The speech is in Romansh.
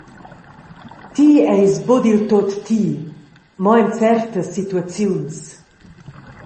Ti eis buca diltut ti, mo en certas situaziuns.